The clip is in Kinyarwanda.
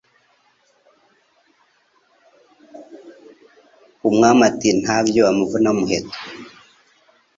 umwami ati ntabyoWa muvunamuheto